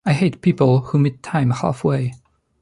I hate people who meet time halfway.